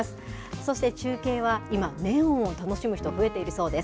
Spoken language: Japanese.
そして中継は今、ネオンを楽しむ人が増えているそうです。